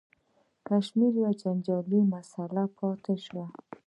کشمیر یوه جنجالي مسله پاتې شوه.